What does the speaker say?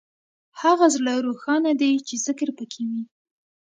هغه زړه روښانه دی چې ذکر پکې وي.